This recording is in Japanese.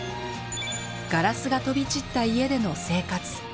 ガラスが飛び散った家での生活。